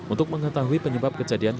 untuk mengetahui penyebab kejadian